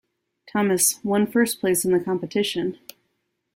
Thomas one first place in the competition.